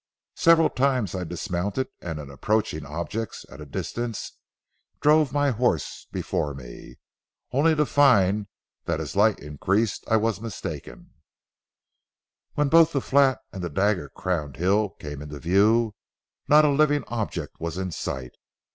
Several times I dismounted and in approaching objects at a distance drove my horse before me, only to find that, as light increased, I was mistaken. [Illustration: UTTERING A SINGLE PIERCING SNORT] When both the flat and the dagger crowned hill came into view, not a living object was in sight.